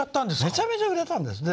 めちゃめちゃ売れたんです。